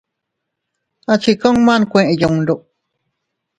A chi kuma nkuee yundu.